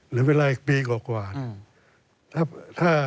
เราเวลาอีกปีกว่ากว่า